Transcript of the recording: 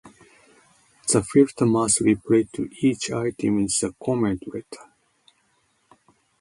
The filer must reply to each item in the comment letter.